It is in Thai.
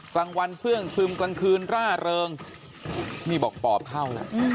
กลางวันเสื้องซึมกลางคืนร่าเริงนี่บอกปอบเข้าแล้ว